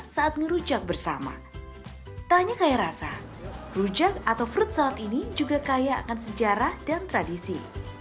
saat ngerujak bersama tanya kaya rasa rujak atau fruit salad ini juga kaya akan sejarah dan tradisi